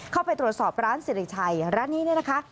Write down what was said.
เข้าไปตรวจสอบร้านสิริชัยร้านนี้เนี่ยนะคะ